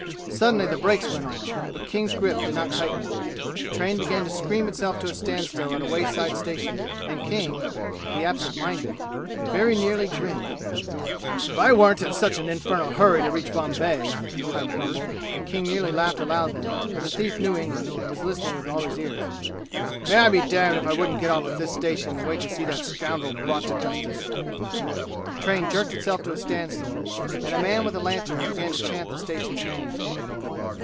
Suddenly the brakes went on, but King's grip did not tighten. The train began to scream itself to a standstill at a wayside station, and King (the absent minded) very nearly grinned. "If I weren't in such an infernal hurry to reach Bombay " Hyde grumbled; and King nearly laughed aloud then, for the thief knew English, and was listening with all his ears, " may I be damned if I wouldn't get off at this station and wait to see that scoundrel brought to justice!" The train jerked itself to a standstill, and a man with a lantern began to chant the station's name.